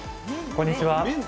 こんにちは。